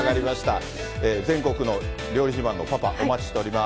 全国の料理自慢のパパ、お待ちしております。